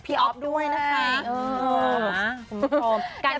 พี่ออฟด้วยนะครับ